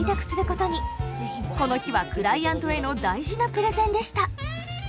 この日はクライアントへの大事なプレゼンでした。